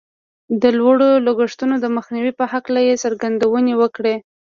د لوړو لګښتونو د مخنيوي په هکله يې څرګندونې وکړې.